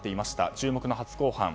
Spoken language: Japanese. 注目の初公判。